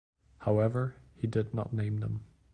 However, he did not name them.